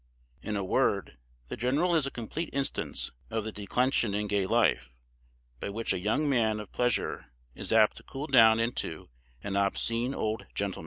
In a word, the general is a complete instance of the declension in gay life, by which a young man of pleasure is apt to cool down into an obscene old gentleman.